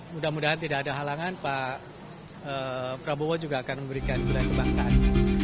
mudah mudahan tidak ada halangan pak prabowo juga akan memberikan kuliah kebangsaan